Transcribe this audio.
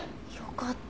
よかった。